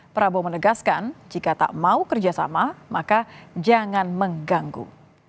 prabowo menegaskan jika tak mau kerjasama maka jangan mengganggu